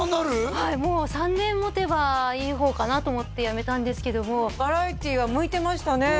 はいもう３年もてばいい方かなと思って辞めたんですけどもバラエティーは向いてましたね